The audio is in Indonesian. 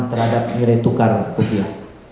terhadap nilai tukar rupiah